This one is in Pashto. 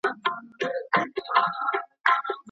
کرکټ کول روغتیا ته څه ګټه لري؟